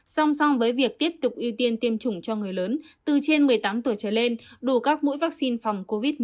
song song với việc tiếp tục ưu tiên tiêm chủng cho người lớn từ trên một mươi tám tuổi trở lên đủ các mũi vaccine phòng covid một mươi chín